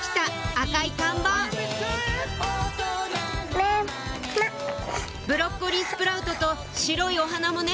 赤い看板ブロッコリースプラウトと白いお花もね！